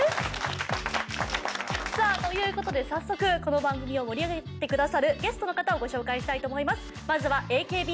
さあという事で早速この番組を盛り上げてくださるゲストの方をご紹介したいと思います。